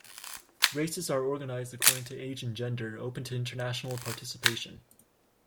Races are organized according to age and gender, open to international participation.